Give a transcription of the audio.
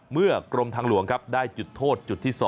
กรมทางหลวงครับได้จุดโทษจุดที่๒